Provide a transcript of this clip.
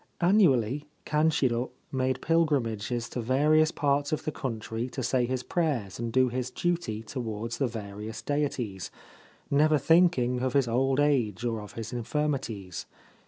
Annually Kanshiro made pilgrimages to various parts of the country to say his prayers and do his duty towards the various deities, never thinking of his old age or of his infirmities.